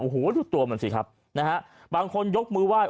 โอ้โหทุกตัวเหมือนสิครับบางคนยกมือว่า